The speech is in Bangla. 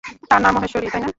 তার নাম মহেশ্বরী, তাই না?